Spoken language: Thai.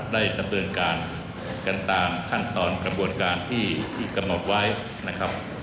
ได้ดำเนินการกันตามขั้นตอนกระบวนการที่กำหนดไว้นะครับ